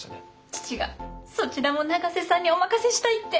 父がそちらも永瀬さんにお任せしたいって。